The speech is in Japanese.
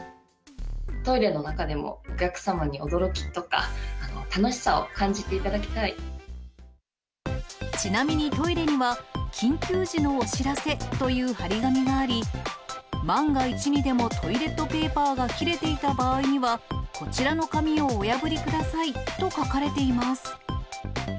トイレの中でもお客様に驚きとか、ちなみに、トイレには、緊急時のお知らせという貼り紙があり、万が一にでもトイレットペーパーが切れていた場合には、こちらの紙をお破りくださいと書かれています。